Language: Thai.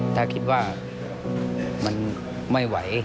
ถ้าคิดว่ามันไม่ไหว